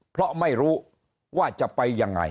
เพราะไม่รู้ว่าจะไปยังไง